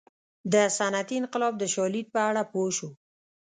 د صنعتي انقلاب د شالید په اړه پوه شو.